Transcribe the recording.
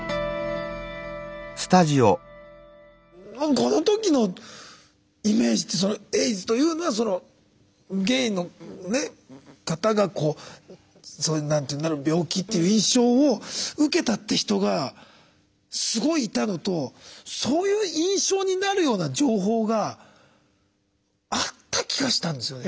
この時のイメージってエイズというのはそのゲイの方がなる病気っていう印象を受けたって人がすごいいたのとそういう印象になるような情報があった気がしたんですよね。